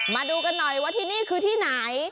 มาดูกันหน่อยว่าที่นี่คือที่ไหน